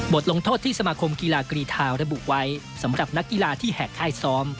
ลงโทษที่สมาคมกีฬากรีธาวระบุไว้สำหรับนักกีฬาที่แหกค่ายซ้อม